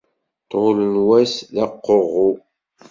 Ṭul n wass d aquɣu.